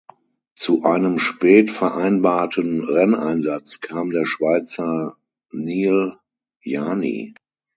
Zu einem spät vereinbarten Renneinsatz kam der Schweizer Neel Jani.